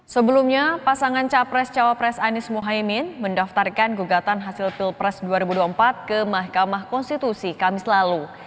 sebelumnya pasangan capres cawapres anies mohaimin mendaftarkan gugatan hasil pilpres dua ribu dua puluh empat ke mahkamah konstitusi kamis lalu